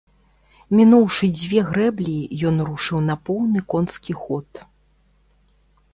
Мінуўшы дзве грэблі, ён рушыў на поўны конскі ход.